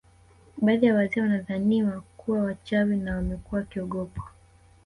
Baadhi ya wazee wanadhaniwa kuwa wachawi na wamekuwa wakiogopwa